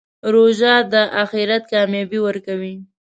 روژه د آخرت کامیابي ورکوي.